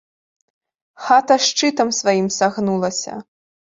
Хата шчытам сваім сагнулася.